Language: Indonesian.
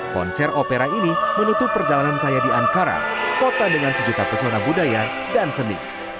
konser opera ini menutup perjalanan saya di ankara kota dengan sejuta pesona budaya dan seni